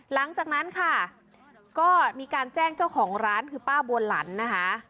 หลังจากนั้นค่ะก็มีการแจ้งเจ้าของร้านคือป้าบัวหลันนะคะ